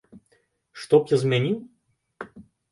Што б я змяніў?